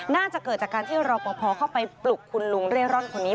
น่าจะเกิดจากการที่รอปภเข้าไปปลุกคุณลุงเร่ร่อนคนนี้